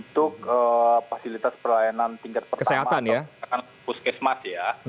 untuk fasilitas pelayanan tingkat pertama atau puskesmas ya